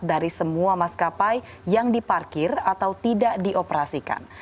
dari semua maskapai yang diparkir atau tidak dioperasikan